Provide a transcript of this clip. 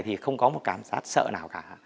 thì không có một cảm giác sợ nào cả